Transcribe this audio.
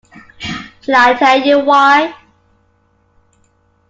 Shall I tell you why?